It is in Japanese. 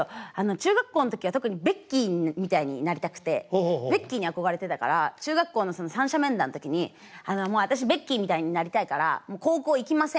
中学校の時は特にベッキーみたいになりたくてベッキーに憧れてたから中学校の三者面談の時に「私ベッキーみたいになりたいから高校行きません」って言って。